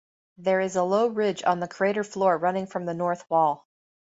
There is a low ridge on the crater floor running from the north wall.